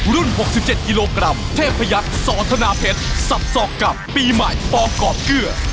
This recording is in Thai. ๖๗กิโลกรัมเทพยักษ์สอธนาเพชรสับสอกกับปีใหม่ปกอดเกลือ